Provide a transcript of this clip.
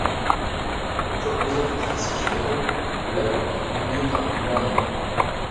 Comme les autres officiers généraux, l'ÖB est nommé par le gouvernement.